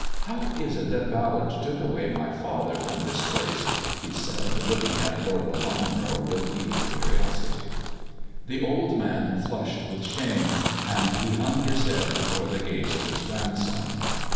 How is it that Ballard took away my father from this place 1 " he said, looking at Lord Lelanro with eager curiosity. The old man flushed with shame, and he hung his head before the gaze of his grandson.